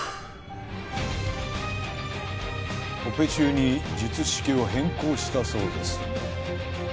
オペ中に術式を変更したそうですね。